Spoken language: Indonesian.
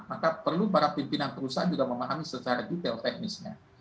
maka perlu para pimpinan perusahaan juga memahami secara detail teknisnya